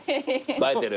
映えてる？